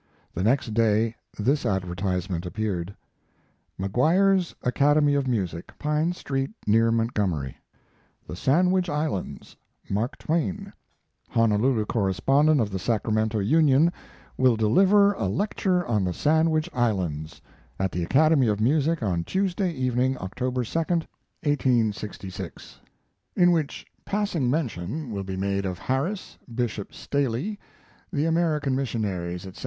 The next day this advertisement appeared: MAGUIRE'S ACADEMY OF MUSIC PINE STREET, NEAR MONTGOMERY THE SANDWICH ISLANDS MARK TWAIN (HONOLULU CORRESPONDENT OF THE SACRAMENTO UNION) WILL DELIVER A LECTURE ON THE SANDWICH ISLANDS AT THE ACADEMY OF MUSIC ON TUESDAY EVENING, OCT. 2d (1866) In which passing mention will be made of Harris, Bishop Staley, the American missionaries, etc.